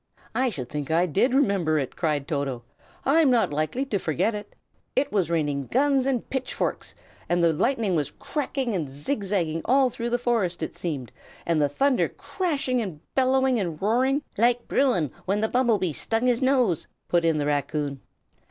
"I should think I did remember it!" cried Toto. "I am not likely to forget it. It was raining guns and pitchforks, and the lightning was cracking and zigzagging all through the forest, it seemed, and the thunder crashing and bellowing and roaring " "Like Bruin, when the bumble bee stung his nose!" put in the raccoon.